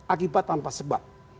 akibat tanpa sebab